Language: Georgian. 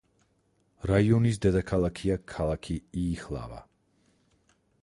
რაიონის დედაქალაქია ქალაქი იიჰლავა.